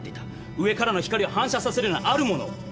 上からの光を反射させるようなあるものを！